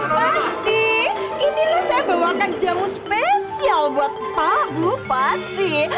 bupati ini saya bawakan janggung spesial buat pak bupati